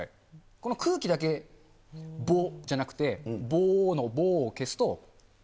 この空気だけ、ぼじゃなくて、ぼーのぼーを消すと。